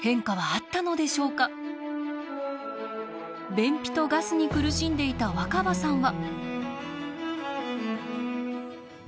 便秘とガスに苦しんでいた若葉さんは。